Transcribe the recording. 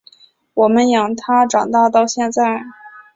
我们养他长大到现在